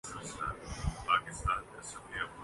ان دنوں یہ منصب مو لانا سمیع الحق صاحب کے پاس ہے۔